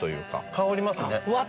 香りますね。